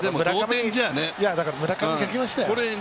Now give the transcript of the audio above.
村上にかけましたよ。